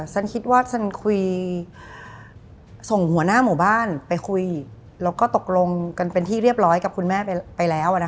ส่งหัวหน้าหมู่บ้านไปคุยแล้วก็ตกลงเป็นที่เรียบร้อยกับคุณแม่ไปแล้ว